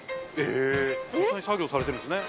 実際に作業されてるんですね。